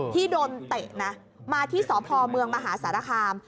ที่โดนเตะนะมาที่สพเมืองมหาสารคาม